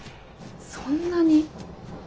そんなに？